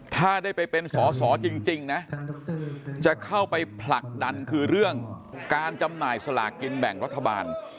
ถ้าได้ไปเป็นสอสอจริงนะจะเข้าไปผลักดันคือเรื่องการจำหน่ายสลากินแบ่งรัฐบาล